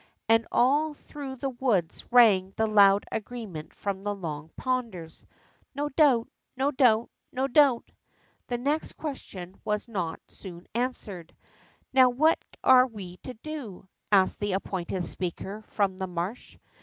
And all through the woods rang the loud agree ment from the Long Ponders. Ho doubt ! Ho doubt ! Ho doubt !" The next question was not soon answered. How what are we to do ?" asked the appointed speaker from the marsh.